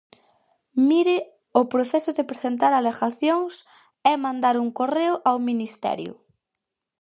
Mire, o proceso de presentar alegacións é mandar un correo ao Ministerio.